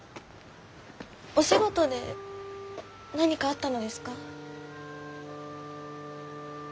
お仕事で何かあったのですか？